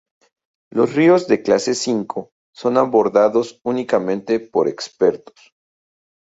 Los ríos de clase V son abordados únicamente por expertos.